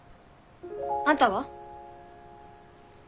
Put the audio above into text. あんたは？